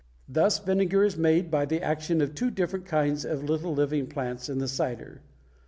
Thus vinegar is made by the action of two different kinds of little living plants in the cider.